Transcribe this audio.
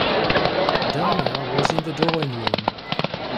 Dahlia was in the drawing-room.